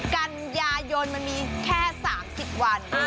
กันยายนมันมีแค่๓๐วัน